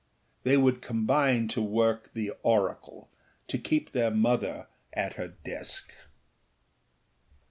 They could combine to work the oracleâto keep their mother at her desk.